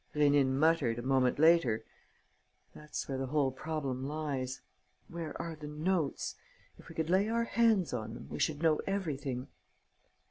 Rénine muttered, a moment later: "That's where the whole problem lies. Where are the notes? If we could lay our hands on them, we should know everything."